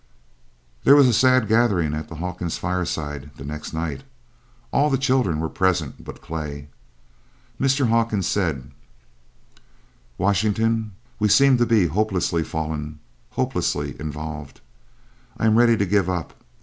There was a sad gathering at the Hawkins fireside the next night. All the children were present but Clay. Mr. Hawkins said: "Washington, we seem to be hopelessly fallen, hopelessly involved. I am ready to give up.